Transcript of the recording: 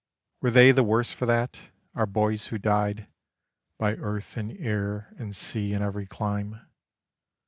Were they the worse for that our boys who died, By earth and air and sea in every clime?